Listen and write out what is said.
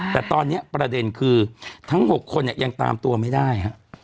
แต่ตอนนี้ประเด็นคือทั้ง๖คนยังตามตัวไม่ได้